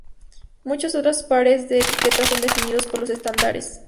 Muchos otros pares de etiquetas son definidos por los estándares.